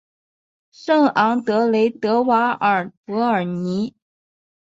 圣昂德雷德瓦尔博尔尼。